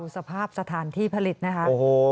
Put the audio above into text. สภาพสถานที่ผลิตนะคะ